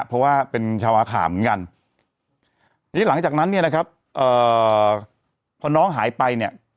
เพราะว่าเป็นชาวอาขามเหมือนกันทีนี้หลังจากนั้นเนี่ยนะครับพอน้องหายไปเนี่ย